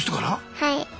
はい。